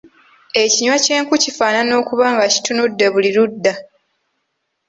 Ekinywa ky’enku kifaanana okuba nga kitunudde buli ludda.